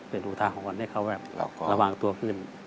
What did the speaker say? เป็นหูทางของเขาให้เขาระวังตัวขึ้น